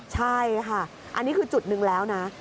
ใช่ค่ะอันนี้คือจุดหนึ่งแล้วนะ